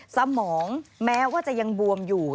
สมองแม้ว่าจะยังบวมอยู่